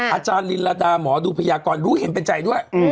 อาจารย์ลีลาดาหมออดูประยากรรดูเห็นเป็นใจด้วย